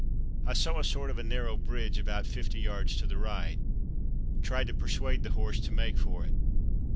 I saw a sort of a narrow bridge about fifty yards to the right. Tried to persuade the horse to make for it.